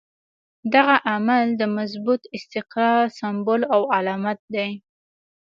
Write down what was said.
دغه عمل د مضبوط استقرار سمبول او علامت دی.